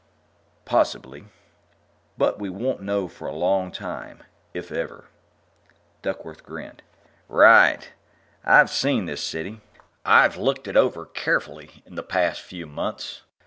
"Possibly. But we won't know for a long time if ever." Duckworth grinned. "Right. I've seen this City. I've looked it over carefully in the past few months.